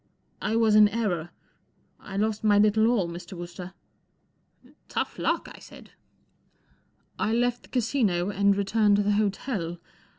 I was in error. I lost my little all, Mr. Wooster." 44 Tough luck," I said. ' 4 I left the Casino, and returned to the hotel.